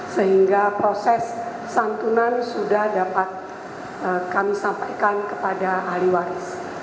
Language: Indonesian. sehingga proses santunan sudah dapat kami sampaikan kepada ahli waris